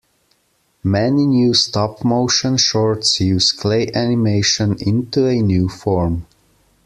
Many new stop motion shorts use clay animation into a new form.